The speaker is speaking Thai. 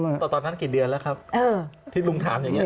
แต่ตอนนั้นกี่เดือนแล้วครับที่ลุงถามอย่างนี้